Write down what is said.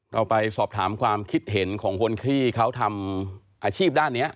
เราไปสอบถามความคิดเห็นของคนที่เขาทำอาชีพด้านนี้